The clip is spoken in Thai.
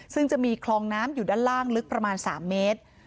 ซึ่งจะมีคลองน้ำอยู่ด้านล่างลึกประมาณ๓เมตร